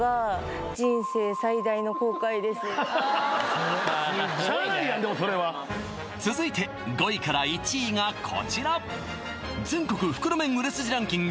そのノートは何でしょうしゃーないやんでもそれは続いて５位から１位がこちら全国袋麺売れ筋ランキング